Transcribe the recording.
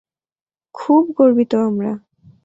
খুব গর্বিত আমরা।